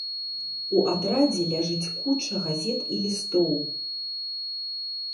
У атрадзе ляжыць куча газет і лістоў.